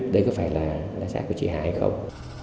đây có phải là xác của chị hà hay không